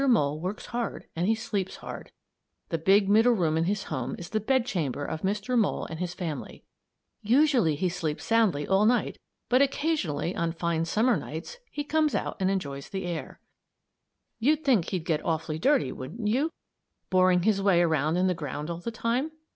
Mole works hard and he sleeps hard. The big middle room in his home is the bedchamber of Mr. Mole and his family. Usually he sleeps soundly all night, but occasionally, on fine Summer nights, he comes out and enjoys the air. [Illustration: THE COMMON AND THE STAR NOSED MOLE] You'd think he'd get awfully dirty, wouldn't you, boring his way along in the ground all the time?